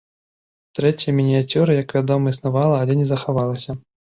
Трэцяя мініяцюра, як вядома, існавала, але не захавалася.